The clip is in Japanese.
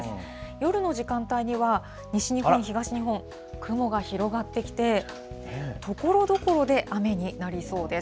夜の時間帯には、西日本、東日本、雲が広がってきて、ところどころで雨になりそうです。